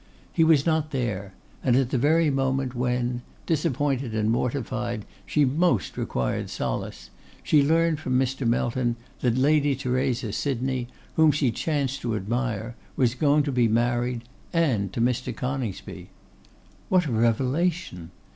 He was not there; and at the very moment when, disappointed and mortified, she most required solace, she learned from Mr. Melton that Lady Theresa Sydney, whom she chanced to admire, was going to be married, and to Mr. Coningsby! What a revelation!